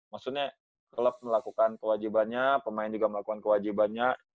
maksudnya klub melakukan kewajibannya pemain juga melakukan kewajibannya